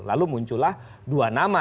lalu muncullah dua nama